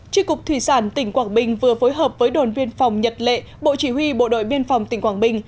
tri cục thủy sản tỉnh quảng bình vừa phối hợp với đồn biên phòng nhật lệ bộ chỉ huy bộ đội biên phòng tỉnh quảng bình